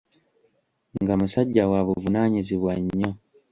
Nga musajja wa buvunaanyizibwa nnyo.